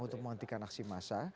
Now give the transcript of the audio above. untuk menghentikan aksi massa